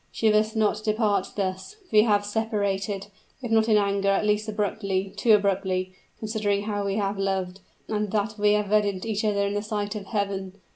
She must not depart thus, we have separated, if not in anger at least abruptly, too abruptly, considering how we have loved, and that we have wedded each other in the sight of Heaven!